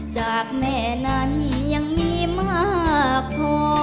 จากแม่นั้นยังมีมากพอ